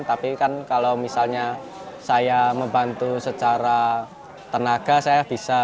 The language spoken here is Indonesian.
tapi kan kalau misalnya saya membantu secara tenaga saya bisa